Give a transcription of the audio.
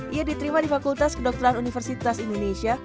ia diterima di fakultas kedokteran universitas indonesia